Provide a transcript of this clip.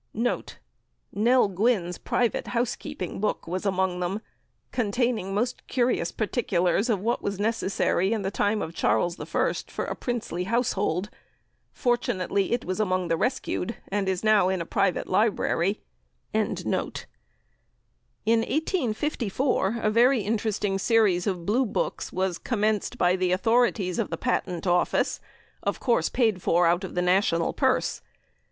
Nell Gwyn's private Housekeeping Book was among them, containing most curious particulars of what was necessary in the time of Charles I for a princely household. Fortunately it was among the rescued, and is now in a private library. In 1854 a very interesting series of blue books was commenced by the authorities of the Patent Office, of course paid for out of the national purse.